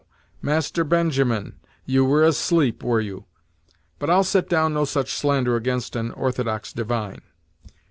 Master Benjamin, you were asleep, were you? but I'll set down no such slander against an orthodox divine."